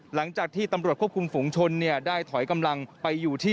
หลังจากที่ตำรวจควบคุมฝุงชนได้ถอยกำลังไปอยู่ที่